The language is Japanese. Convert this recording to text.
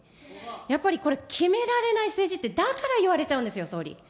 やっぱりこれ、決められない政治って、だから言われちゃうんですよ、総理。